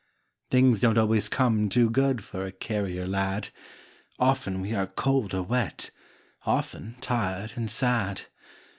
Things don't always come too good For a carrier lad. Often we are cold or wet, Often tired and sad.